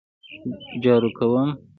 جارو کوم